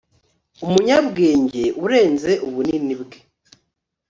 Umunyabwenge urenze ubunini bwe